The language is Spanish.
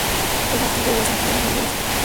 Es nativo de las Antillas Mayores.